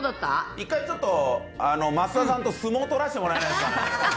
一回、ちょっと増田さんと相撲取らせてもらえないですかね。